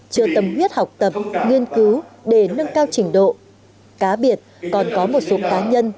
chưa tâm huyết học tập nghiên cứu để nâng cao trình độ cá biệt còn có một số cá nhân